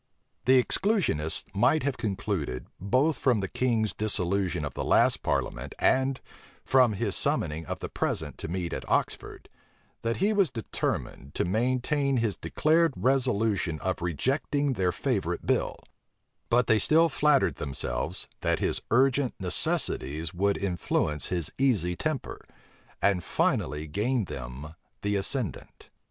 The exclusionists might have concluded, both from the king's dissolution of the last parliament, and from his summoning of the present to meet at Oxford, that he was determined to maintain his declared resolution of rejecting their favorite bill; but they still flattered themselves, that his urgent necessities would influence his easy temper, and finally gain them the ascendant.